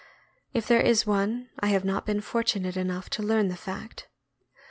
If there is one, I have not been fortunate enough to learn the fact.